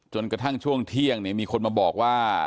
กระทั่งช่วงเที่ยงมีคนมาบอกว่า